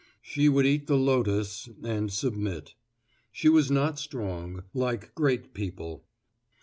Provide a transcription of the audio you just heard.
She would eat the lotus and submit. She was not strong, like great people.